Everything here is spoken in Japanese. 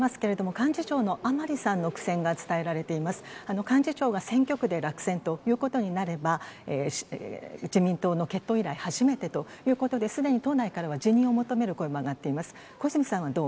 幹事長が選挙区で落選ということになれば、自民党の結党以来初めてということで、すでに党内からは辞任を求める声も上がっています。